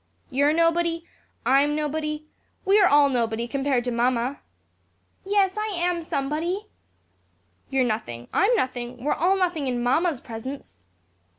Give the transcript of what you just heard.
_ You're nobody; I'm nobody; we are all nobody, compared to mamma. Freddy. (stolidly). Yes, I am somebody. Ernest. You're nothing; I'm nothing; we are all nothing in mamma's presence.